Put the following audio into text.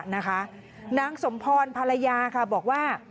นางสมพรภรรยาค่ะบอกว่า